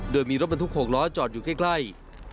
โดยมีรถบรรทุก๖ล้อจอดอยู่ใกล้